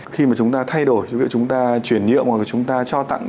khi mà chúng ta thay đổi ví dụ chúng ta chuyển nhượng hoặc là chúng ta cho tặng